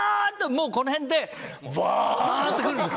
もうこの辺でバンって来るんです